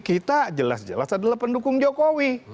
kita jelas jelas adalah pendukung jokowi